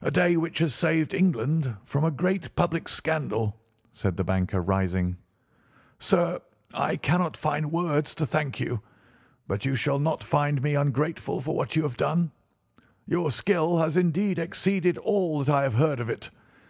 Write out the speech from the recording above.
"A day which has saved England from a great public scandal," said the banker, rising. "Sir, I cannot find words to thank you, but you shall not find me ungrateful for what you have done. Your skill has indeed exceeded all that I have heard of it.